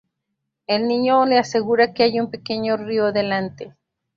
El niño le asegura que hay un pequeño río delante.